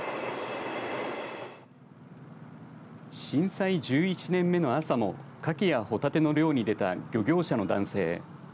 震災１１年目の朝もカキやホタテの漁に出た漁業者の男性。